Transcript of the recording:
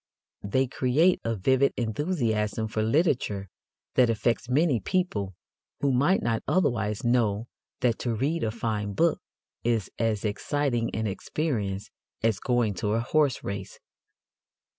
They create a vivid enthusiasm for literature that affects many people who might not otherwise know that to read a fine book is as exciting an experience as going to a horse race.